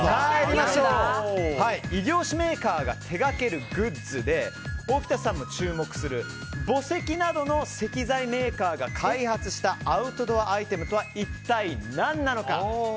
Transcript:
異業種メーカーが手掛けるグッズで沖田さんの注目する墓石などの石材メーカーが開発したアウトドアアイテムとは一体何なのか。